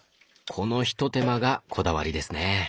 このひと手間がこだわりですね。